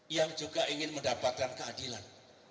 yang juga ingin mendapatkan keadilan